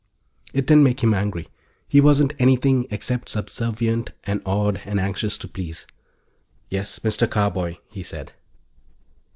It didn't make him angry. He wasn't anything except subservient and awed and anxious to please. "Yes, Mr. Carboy," he said.